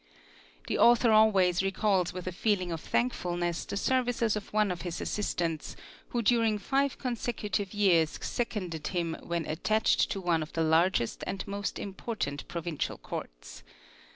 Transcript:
The author always recalls with a feeling of thank fulness the services of one of his assistants who during five consecutive years seconded him when attached to one of the largest and most important Provincial Courts.